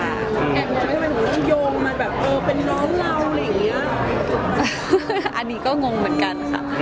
อันนี้ก็งงเหมือนกันค่ะ